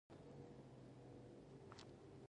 د ماشوم دوه سرونه او په هر سر کې.